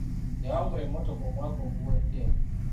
Yawangula emmotoka omwaka oguwedde.